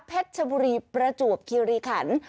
ชบุรีประจวบคิริขัน